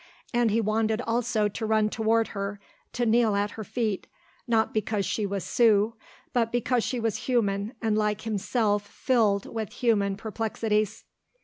And he wanted also to run toward her, to kneel at her feet, not because she was Sue but because she was human and like himself filled with human perplexities.